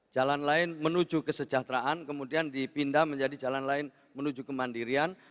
jalan lain menuju kesejahteraan kemudian dipindah menjadi jalan lain menuju kemandirian